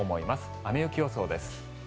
雨・雪予想です。